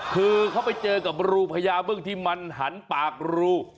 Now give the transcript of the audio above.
คือเขาไปเจอกับรูพญาบึ้งที่มันหันปากรู